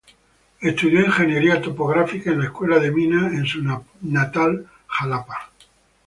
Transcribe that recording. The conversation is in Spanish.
Estudió Ingeniería Topográfica en la Escuela de Minas en su natal Xalapa.